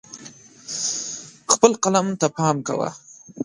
خپل قلم ته پام کوه.